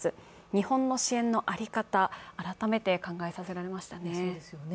日本の支援の在り方、改めて考えさせられましたね。